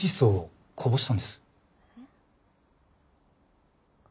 えっ？